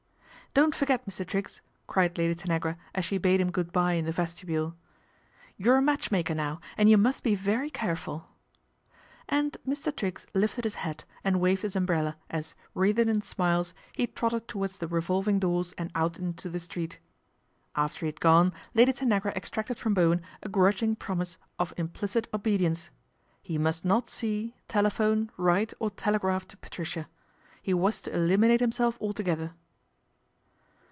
" Don't forget, Mr. Triggs," cried Lady Tanagra as she bade him good bye in the vestibule. " You're a match maker now, and you must be very care ful." And Mr. Triggs lifted his hat and waved his umbrella as, wreathed in smiles, he trotted towards the revolving doors and out into the street. After he had gone Lady Tanagra extracted from Bowen a grudging promise of implicit obedience. He must not see, telephone, write or telegraph to Patricia. He was to eliminate himself altogether.